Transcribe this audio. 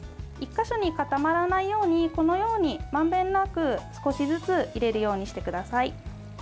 １か所に固まらないようにこのように、まんべんなく少しずつ入れるようにしてください。